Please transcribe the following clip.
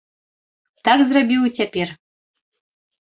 Так зрабіў і цяпер.